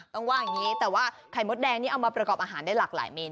แต่ว่าไขมรดแดงนี้มีมาประกอบอาหารมากหลาย